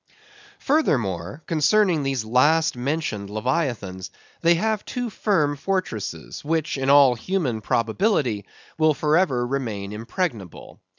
Furthermore: concerning these last mentioned Leviathans, they have two firm fortresses, which, in all human probability, will for ever remain impregnable.